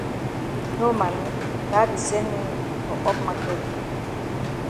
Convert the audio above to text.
No Mami, Pa be send me for up maket.